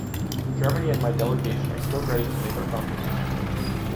Germany and my delegation are still ready to make our contribution.